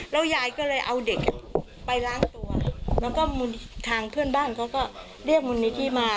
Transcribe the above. แล้วยายก็เลยเอาเด็กไปล้างตัวแล้วก็ทางเพื่อนบ้านเขาก็เรียกมูลนิธิมา